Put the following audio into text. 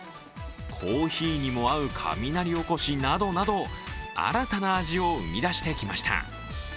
コーヒーにも合う雷おこしなどなど新たな味を生み出してきました。